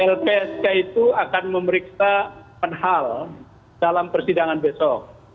lpsk itu akan memeriksa penhal dalam persidangan besok